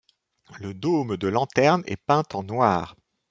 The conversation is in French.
Le dôme de lanterne est peint en noir.